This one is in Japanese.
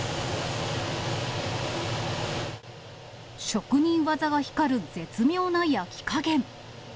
職人技が光る絶妙な焼き加減。